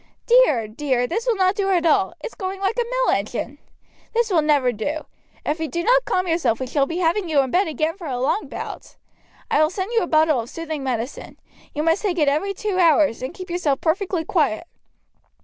Dear! dear! this will not do at all; it's going like a mill engine. This will never do. If you do not calm yourself we shall be having you in bed again for a long bout. I will send you a bottle of soothing medicine. You must take it every two hours, and keep yourself perfectly quiet.